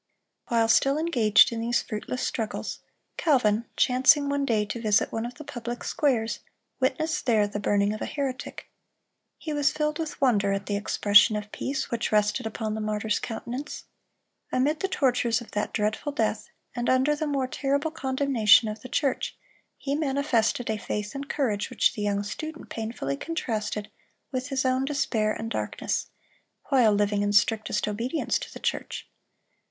While still engaged in these fruitless struggles, Calvin, chancing one day to visit one of the public squares, witnessed there the burning of a heretic. He was filled with wonder at the expression of peace which rested upon the martyr's countenance. Amid the tortures of that dreadful death, and under the more terrible condemnation of the church, he manifested a faith and courage which the young student painfully contrasted with his own despair and darkness, while living in strictest obedience to the church.